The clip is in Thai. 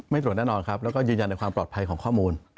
ตรวจแน่นอนครับแล้วก็ยืนยันในความปลอดภัยของข้อมูล